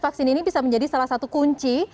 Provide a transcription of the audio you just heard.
vaksin ini bisa menjadi salah satu kunci